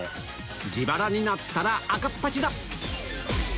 自腹になったら赤恥だ